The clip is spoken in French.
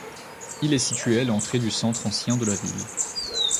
Il est situé à l'entrée du centre ancien de la ville.